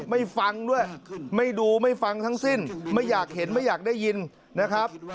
ไม่ฟังด้วยไม่ดูไม่ฟังทั้งสิ้นไม่อยากเห็นไม่อยากได้ยินนะครับ